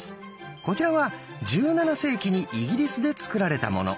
こちらは１７世紀にイギリスで作られたもの。